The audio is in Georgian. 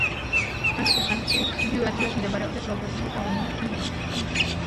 ანტიკურ ხანაში, იგივე ადგილას მდებარეობდა ძველბერძნული კოლონია კირენა.